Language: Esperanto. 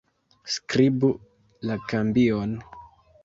Skribu la kambion.